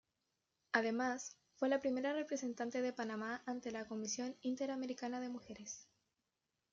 Además, fue la primera representante de Panamá ante la Comisión Interamericana de Mujeres.